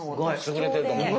優れてると思います。